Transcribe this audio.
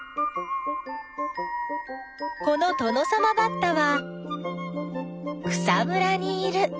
このトノサマバッタは草むらにいる。